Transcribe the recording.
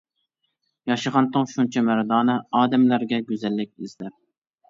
ياشىغانتىڭ شۇنچە مەردانە، ئادەملەرگە گۈزەللىك ئىزدەپ.